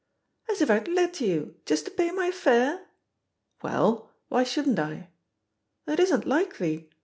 "As if I'd let you — ^just to pay my fare!" '^Well, why shouldn't I?" "It isn't likely.